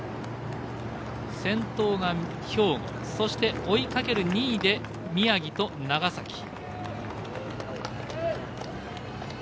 先頭が兵庫、そして追いかける２位で宮城と長崎。